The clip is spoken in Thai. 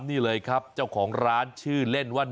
นี่เลยครับเจ้าของร้านชื่อเล่นว่า